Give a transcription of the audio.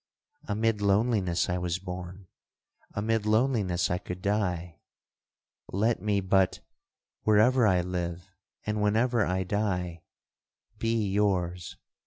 Amid loneliness I was born; amid loneliness I could die. Let me but, wherever I live, and whenever I die, be yours!